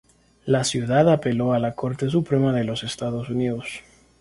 La ciudad apeló a la Corte Suprema de los Estados Unidos.